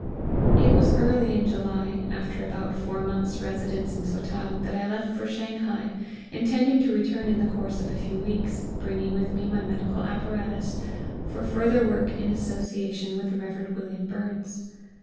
It was early in July, after about four months' residence in Swatow, that I left for Shanghai, intending to return in the course of a few weeks, bringing with me my medical apparatus, for further work in association with the Rev. William Burns.